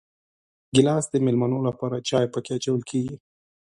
ګیلاس د مېلمنو لپاره چای پکې اچول کېږي.